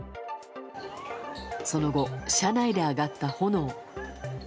その後、車内で上がった炎。